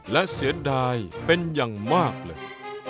และเสียดายเป็นอย่างมากเลย